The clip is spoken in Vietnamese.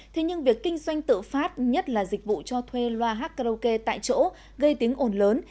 thế nhưng việc kinh doanh tự phát nhất là dịch vụ cho thuê loa hát karaoke tại chỗ gây tiếng ồn lớn